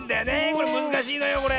これむずかしいのよこれ。